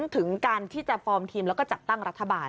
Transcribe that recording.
ถึงการที่จะฟอร์มทีมแล้วก็จัดตั้งรัฐบาล